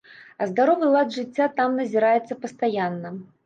А здаровы лад жыцця там назіраецца пастаянна.